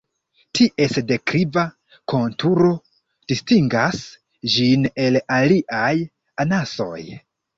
Ties dekliva konturo distingas ĝin el aliaj anasoj.